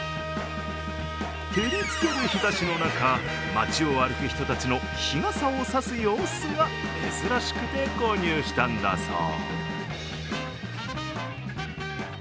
照りつける日ざしの中、街を歩く人たちの日傘を差す様子が珍しくて購入したんだそう。